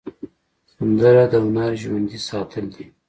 سندره د هنر ژوندي ساتل دي